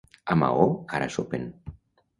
A Maó ara sopen.